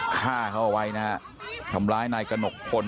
ฆ่าเขาไว้นะครับทำร้ายนายกะหนกคน